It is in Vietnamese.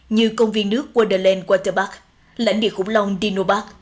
như công viên nước wonderland waterpark lãnh địa khủng long dinobark